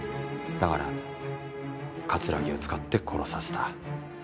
だから葛城を使って殺させた。